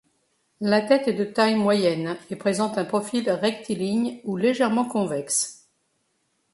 La tête est de taille moyenne, et présente un profil rectiligne ou légèrement convexe.